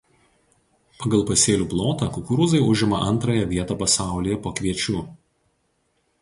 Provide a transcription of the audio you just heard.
Pagal pasėlių plotą kukurūzai užima antrąją vietą pasaulyje po kviečių.